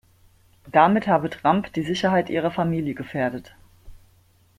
Damit habe Trump die Sicherheit ihrer Familie gefährdet.